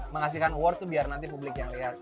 mengasihkan award tuh biar nanti publik yang lihat